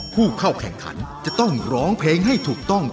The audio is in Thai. ผู้เข้าแข่งขันจะต้องร้องเพลงให้ถูกต้อง